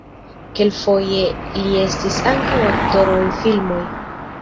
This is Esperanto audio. Kelkfoje li estis ankaŭ aktoro en filmoj.